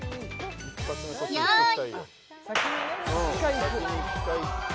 用意